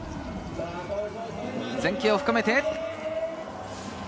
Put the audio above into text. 前傾を深めて。